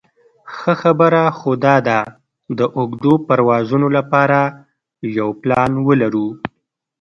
ښه خبره خو داده د اوږدو پروازونو لپاره یو پلان ولرو.